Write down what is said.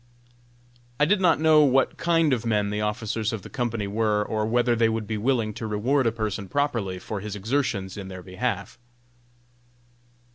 I did not know what kind of men the officers of the company were, or whether they would be willing to reward a person properly for his exertions in their behalf.